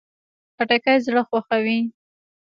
خټکی زړه خوښوي.